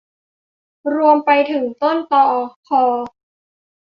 รวมไปถึงต้นคอ